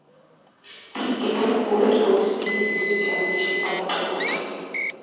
তিনি S Alam cold rolled steel লিমিটেডের chairman হিসেবেও দায়িত্ব পালন করছেন।